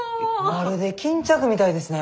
まるで巾着みたいですね！